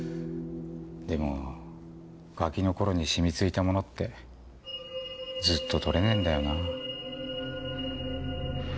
でもガキの頃に染み付いたものってずっと取れねえんだよな。